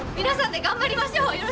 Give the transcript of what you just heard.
皆さんで頑張りましょう！